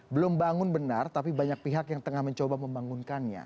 belum bangun benar tapi banyak pihak yang tengah mencoba membangunkannya